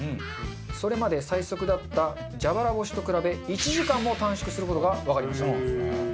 それまで最速だった蛇腹干しと比べ１時間も短縮する事がわかりました。